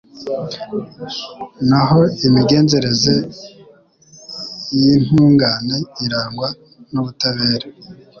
naho imigenzereze y’intungane irangwa n’ubutabera